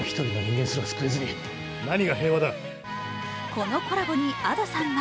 このコラボにＡｄｏさんは